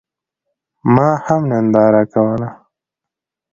ما هم ننداره کوله.